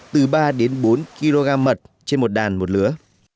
từ ba đến bốn kg mật trên một đàn một lứa